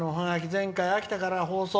「前回、秋田からの放送。